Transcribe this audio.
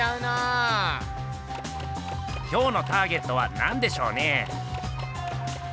今日のターゲットはなんでしょうね？